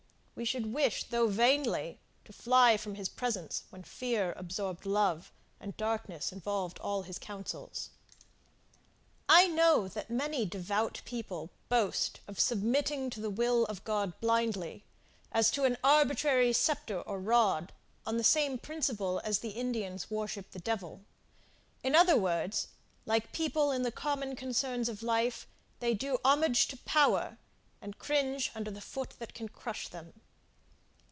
We should wish, though vainly, to fly from his presence when fear absorbed love, and darkness involved all his counsels. I know that many devout people boast of submitting to the Will of God blindly, as to an arbitrary sceptre or rod, on the same principle as the Indians worship the devil. In other words, like people in the common concerns of life, they do homage to power, and cringe under the foot that can crush them.